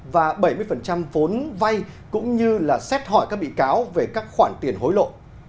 và bảy mươi vốn vay cũng như là xét hỏi các bị cáo về các khoản tiền hối lộ